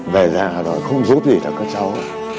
về già rồi không giúp gì được cho cháu